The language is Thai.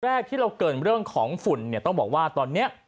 แรกที่เราเกิดเรื่องของฝุ่นเนี่ยต้องบอกว่าตอนนี้